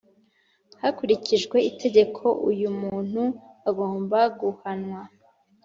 Hakurikijwe Itegeko uyumuntu agomba guhanwa